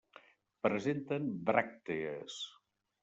Presenten bràctees.